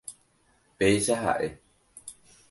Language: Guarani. Péicha ha'e.